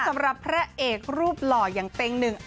สำหรับพระเอกรูปหล่ออย่างเต็งหนึ่ง